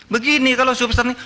begini kalau substern